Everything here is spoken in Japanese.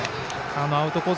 アウトコース